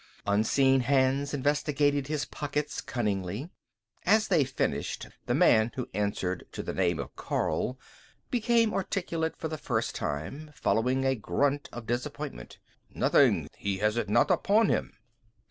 Unseen hands investigated his pockets cunningly. As they finished, the man who answered to the name of Karl became articulate for the first time, following a grunt of disappointment: "Nothing he has it not upon him."